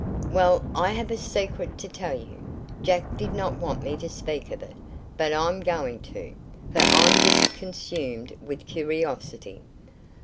"Well, I have a secret to tell you. Jack did not want me to speak of it, but I'm going to, for I'm just consumed with curiosity.